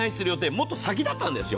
もっと先だったんですよ。